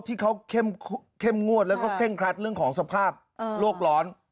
ที่เขาเข้มงวดแล้วก็เคร่งครัดเรื่องของสภาพโลกร้อน